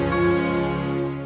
gak prise kekuatan